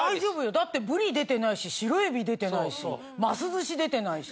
だってブリ出てないし白えび出てないします寿司出てないし。